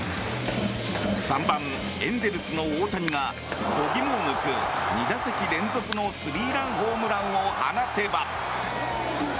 ３番、エンゼルスの大谷が度肝を抜く２打席連続のスリーランホームランを放てば。